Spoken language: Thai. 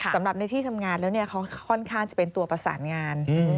สำหรับในที่ทำงานแล้วเขาค่อนข้างจะเป็นตัวประสานงาน